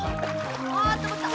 あったまった！